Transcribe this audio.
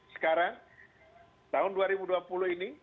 sekarang tahun dua ribu dua puluh ini